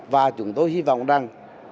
và chúng tôi hy vọng rằng